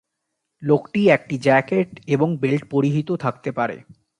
লোকটি একটি জ্যাকেট এবং বেল্ট পরিহিত থাকতে পারে।